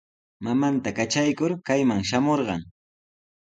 Mamanta katraykur kayman shamurqan.